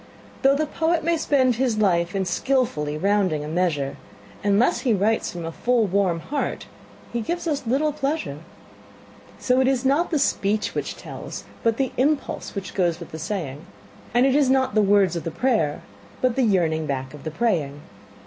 Though the poet may spend his life in skilfully rounding a measure, Unless he writes from a full, warm heart he gives us little pleasure. So it is not the speech which tells, but the impulse which goes with the saying; And it is not the words of the prayer, but the yearning back of the praying.